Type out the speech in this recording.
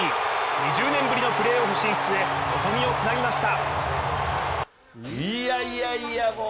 ２０年ぶりのプレーオフ進出へ望みをつなぎました。